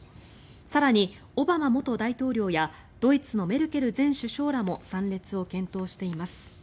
更に、オバマ元大統領やドイツのメルケル前首相らも参列を検討しています。